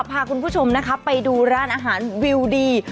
พาคุณผู้ชมนะคะไปดูร้านอาหารวิวดี